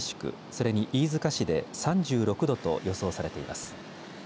それに飯塚市で３６度と予想されています。